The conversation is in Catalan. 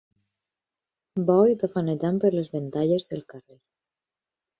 Bo i tafanejant per les ventalles del carrer.